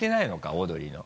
オードリーの。